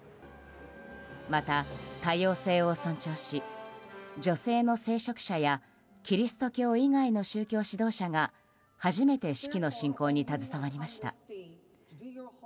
また多様性を尊重し女性の聖職者やキリスト教以外の宗教指導者が初めて式の進行に携わりました。